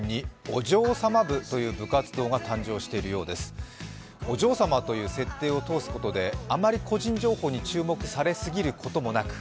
お嬢様という設定を通すことであまり個人情報に注目されすぎることもなく